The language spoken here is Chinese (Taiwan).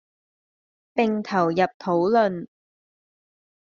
並投入討論